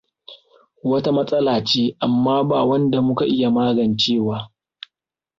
Wata matsala ce, amma ba wanda muka iya magancewa.